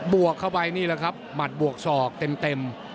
วกเข้าไปนี่แหละครับหมัดบวกศอกเต็ม